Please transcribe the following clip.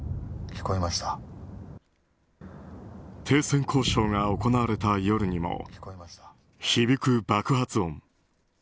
停戦交渉が行われた夜にも響く爆発音。